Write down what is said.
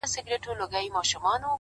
علم د ژوند لاره اسانه کوي